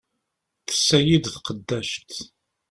Tessa-yi-d tqeddact.